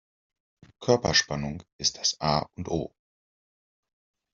Körperspannung ist das A und O.